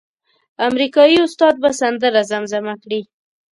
امریکایي استاد به سندره زمزمه کړي.